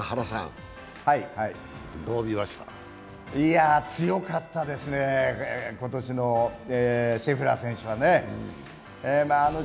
いや、強かったですね、今年のシェフラー選手はね。